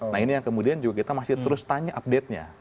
nah ini yang kemudian juga kita masih terus tanya update nya